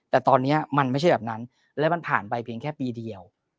แต่ตอนนี้มันไม่ใช่แบบนั้นและมันผ่านไปเพียงแค่ปีเดียว